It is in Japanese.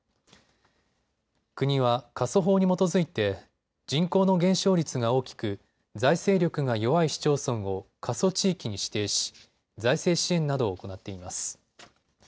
国は過疎法に基づいて人口の減少率が大きく財政力が弱い市町村を過疎地域に指定し財政支援などを行っています。